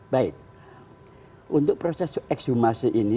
baik untuk proses ekshumasi ini